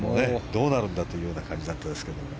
どうなるんだという感じでしたけども。